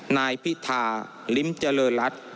นายพิทาลิมเจริรัติ